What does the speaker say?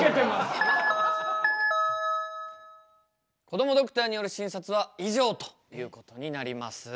こどもドクターによる診察は以上ということになります。